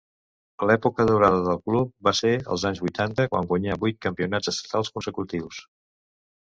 L'època daurada del club va ser als anys vuitanta, quan guanyà vuit campionats estatals consecutius.